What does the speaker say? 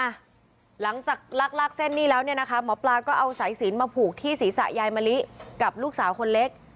หลังจากลากลากเส้นนี้แล้วเนี่ยนะคะหมอปลาก็เอาสายสินมาผูกที่ศีรษะยายมะลิกับลูกสาวคนเล็ก